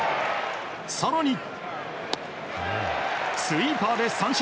更にスイーパーで三振。